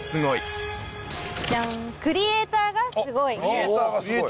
ジャン「クリエイターがすごい！」